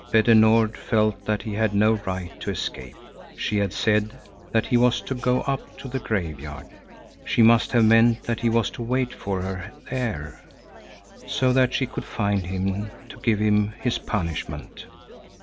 Petter Nord felt that he had no right to escape. She had said that he was to go up to the graveyard. She must have meant that he was to wait for her there, so that she could find him to give him his punishment.